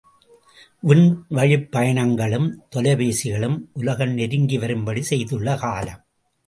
விண்வழிப் பயணங்களும், தொலை பேசிகளும் உலகம் நெருங்கி வரும்படி செய்துள்ள காலம்.